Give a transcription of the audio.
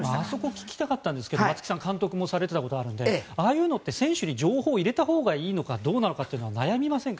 聞きたかったんですけど松木さん監督もされていたことがあるのでああいうのって選手に情報を入れたほうがいいのかは悩みませんか。